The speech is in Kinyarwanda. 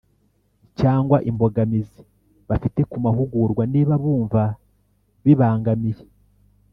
cyangwa imbogamizi bafite ku mahugurwa niba bumva bibangamiye